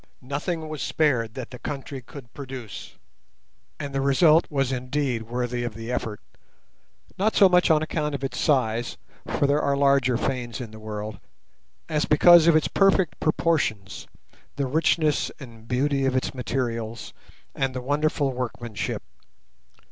Nothing was spared that the country could produce, and the result was indeed worthy of the effort, not so much on account of its size—for there are larger fanes in the world—as because of its perfect proportions, the richness and beauty of its materials, and the wonderful workmanship.